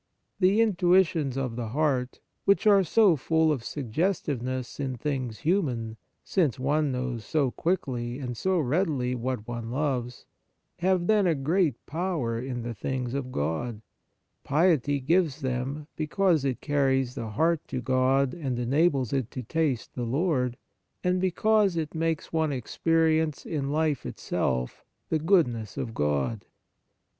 The intuitions of the heart, which are so full of suggestiveness in things human, since one knows so quickly and so readily what one loves, have then a great power in the things of God. Piety gives them, because it carries the heart to God and enables it to taste the Lord, and because it * Matt. v. 8. f " Pensees," art. xiii., 14. X Ibid., 10. 135 On Piety makes one experience in life itself the goodness of God.